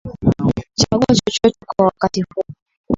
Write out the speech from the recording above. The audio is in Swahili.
Chagua chochote kwa wakati huu